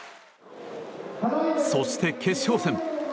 そして、決勝戦。